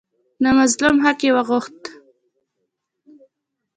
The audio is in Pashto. د مظلوم حق یې وغوښت.